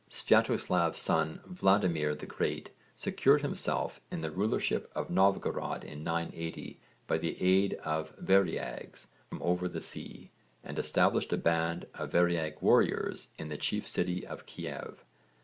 Svjatoslav's son Vladimir the Great secured himself in the rulership of Novgorod in 980 by the aid of variags from over the sea and established a band of variag warriors in his chief city of Kiev.